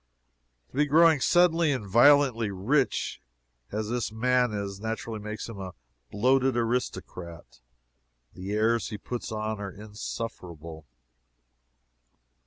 To be growing suddenly and violently rich, as this man is, naturally makes him a bloated aristocrat. The airs he puts on are insufferable.